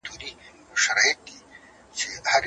ثمر ګل په خپلو تورو لاسونو د سبا کار پلان کړ.